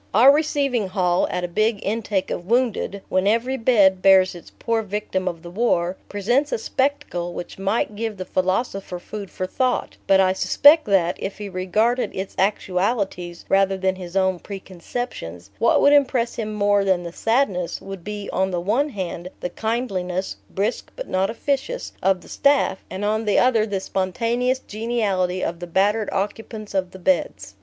Our receiving hall, at a big intake of wounded, when every bed bears its poor victim of the war, presents a spectacle which might give the philosopher food for thought; but I suspect that, if he regarded its actualities rather than his own preconceptions, what would impress him more than the sadness would be on the one hand the kindliness, brisk but not officious, of the staff, and on the other the spontaneous geniality of the battered occupants of the beds.